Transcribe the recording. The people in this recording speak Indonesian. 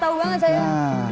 tau banget saya